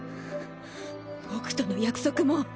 僕との約束も！